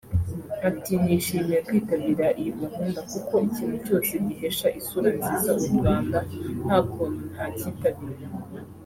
Ati « Nishimiye kwitabira iyi gahunda kuko ikintu cyose gihesha isura nziza u Rwanda nta kuntu ntacyitabira